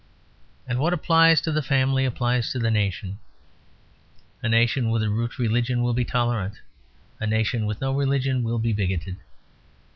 And what applies to the family applies to the nation. A nation with a root religion will be tolerant. A nation with no religion will be bigoted.